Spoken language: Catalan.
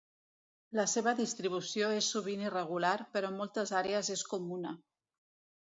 La seva distribució és sovint irregular però en moltes àrees és comuna.